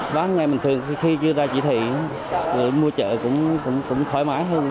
và bán ngày bình thường khi chưa ra chỉ thị mua chợ cũng thoải mái hơn